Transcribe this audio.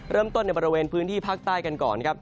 ในบริเวณพื้นที่ภาคใต้กันก่อนครับ